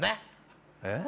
えっ？